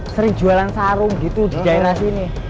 sering jualan sarung gitu di daerah sini